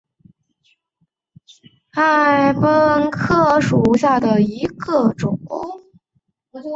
糙臭草为禾本科臭草属下的一个种。